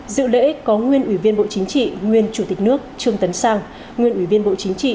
dự lễ có nguyên ủy viên bộ chính trị nguyên chủ tịch nước trương tấn sang nguyên ủy viên bộ chính trị